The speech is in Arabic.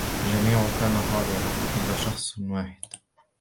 الجميع كان حاضرا إلا شخص واحد.